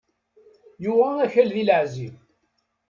Yuɣ akal di laεzib